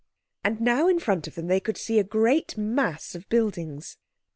And now in front of them they could see a great mass of buildings.